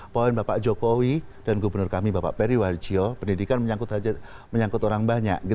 poin bapak jokowi dan gubernur kami bapak periwarjo pendidikan menyangkut orang banyak